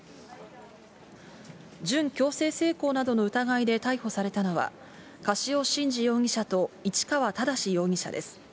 準強制性交などの疑いで逮捕されたのは、樫尾晋司容疑者と市川ただし容疑者です。